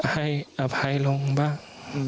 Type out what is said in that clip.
ให้อภัยลงบ้าง